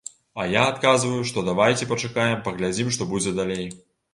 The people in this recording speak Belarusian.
А я адказваю, што давайце пачакаем, паглядзім што будзе далей.